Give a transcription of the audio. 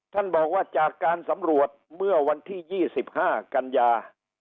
ท่านบอกว่าจากการสำรวจเมื่อวันที่๒๕กันยา